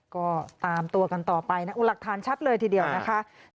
ก็ตามตัวกันต่อไปนะหลักฐานชัดเลยทีเดียวนะคะ